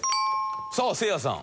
さあせいやさん。